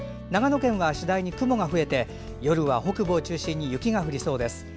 長野県は次第に雲が増えて夜は北部を中心に雪が降りそうです。